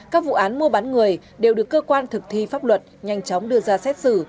các vụ án mua bán người đều được cơ quan thực thi pháp luật nhanh chóng đưa ra xét xử